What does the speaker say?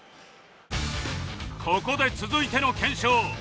ここで続いての検証